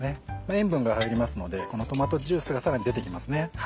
塩分が入りますのでこのトマトジュースがさらに出てきます。